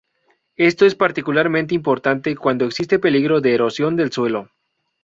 Esto es particularmente importante cuando existe peligro de erosión del suelo.